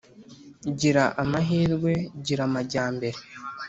gira amahirwegira amajyambere